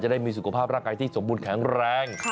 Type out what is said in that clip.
ได้มีสุขภาพร่างกายที่สมบูรณแข็งแรง